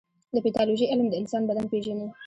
د پیتالوژي علم د انسان بدن پېژني.